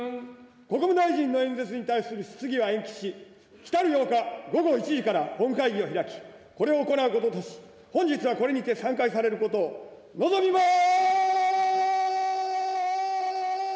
国務大臣の演説に対する質疑は延期し、きたる８日午後１時から本会議を開き、これを行うこととし、本日はこれにて散会されることを望みます。